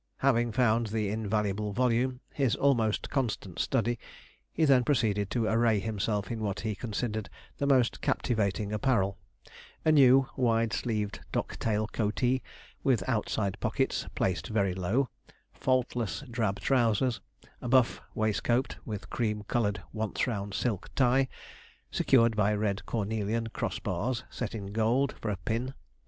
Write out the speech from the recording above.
Having found the invaluable volume, his almost constant study, he then proceeded to array himself in what he considered the most captivating apparel; a new wide sleeved dock tail coatee, with outside pockets placed very low, faultless drab trousers, a buff waistcoat, with a cream coloured once round silk tie, secured by red cornelian cross bars set in gold, for a pin.